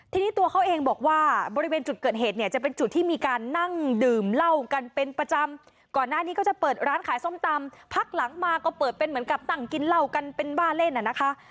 ทีนี้ตัวเขาเองบอกว่าบริเวณจุดเกิดเหตุเนี่ยจะเป็นจุดที่มีการนั่งดื่มเหล้ากันเป็นประจำก่อนหน้านี้ก็จะเปิดร้านขายส้มตำพักหลังมาก็เปิดเป็นเหมือนกับนั่งกินเหล้ากันเป็นบ้าเล่นอ่ะนะคะ